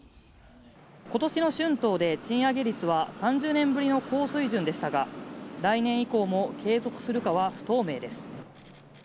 今年の春闘で賃上げ率は、３０年ぶりの高水準でしたが、来年以降も継続するかは不透明です。